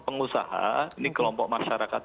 pengusaha kelompok masyarakat